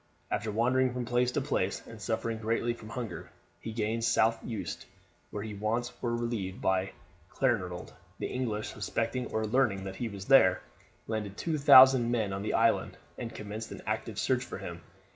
After wandering from place to place and suffering greatly from hunger, he gained South Uist, where his wants were relieved by Clanranald. The English, suspecting or learning that he was there, landed two thousand men on the island, and commenced an active search for him.